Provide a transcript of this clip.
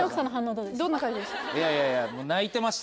どんな感じでした？